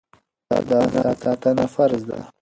د ځان ساتنه فرض ده.